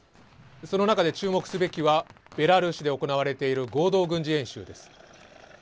その中で、注目すべきはベラルーシで行われている合同軍事演習です。